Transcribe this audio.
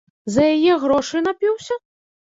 За яе грошы напіўся?